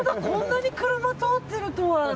こんなに車が通ってるとは。